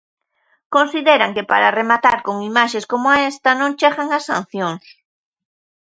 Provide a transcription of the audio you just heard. Consideran que para rematar con imaxes coma esta non chegan as sancións.